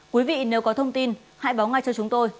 quý vị nếu có thông tin hãy báo ngay cho chúng tôi